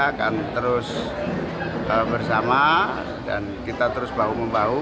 kita akan terus bersama dan kita terus bahu membahu